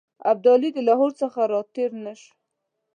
ابدالي د لاهور څخه را تېر نه شو.